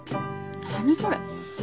何それ。